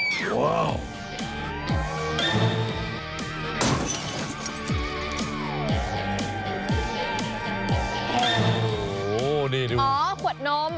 อ๋อขวดนม